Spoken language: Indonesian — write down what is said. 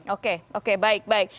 oke oke baik baik